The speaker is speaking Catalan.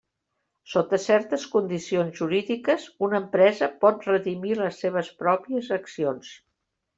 Sota certes condicions jurídiques, una empresa pot redimir les seves pròpies accions.